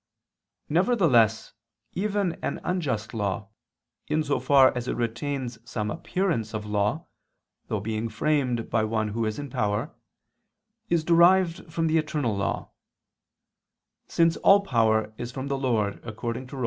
Nevertheless even an unjust law, in so far as it retains some appearance of law, though being framed by one who is in power, is derived from the eternal law; since all power is from the Lord God, according to Rom.